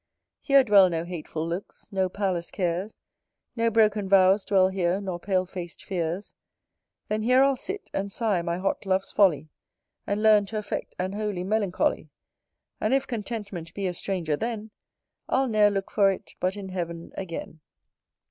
Here dwell no hateful looks, no palace cares, No broken vows dwell here, nor pale fac'd fears; Then here I'll sit, and sigh my hot love's folly, And learn t' affect an holy melancholy: And if contentment be a stranger then, I'll ne'er look for it, but in heaven, again.